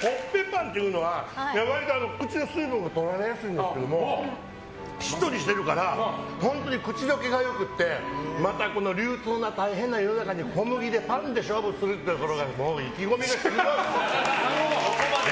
コッペパンっていうのは割と口の水分がとられやすいんですけどしっとりしているから口溶けがよくてこの流通が大変な世の中に小麦でパンで勝負するっていう意気込みがすごい！